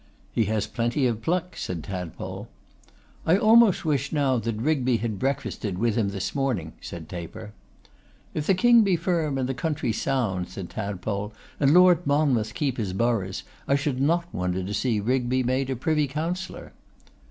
'He has plenty of pluck,' said Tadpole. 'I almost wish now that Rigby had breakfasted with him this morning,' said Taper. 'If the King be firm, and the country sound,' said Tadpole, 'and Lord Monmouth keep his boroughs, I should not wonder to see Rigby made a privy councillor.